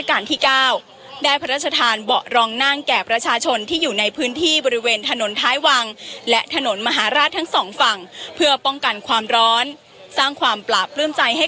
เก้าได้พระราชทานเบาะรองนั่งแก่ประชาชนที่อยู่ในพื้นที่บริเวณถนนท้ายวังและถนนมหาราชทั้งสองฝั่งเพื่อป้องกันความร้อนสร้างความปราบปลื้มใจให้